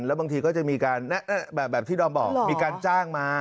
แล้วบางทีก็จะมีการแบบที่ดอมบอกมีการจ้างมา